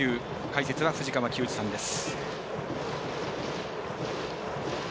解説は藤川球児さんです。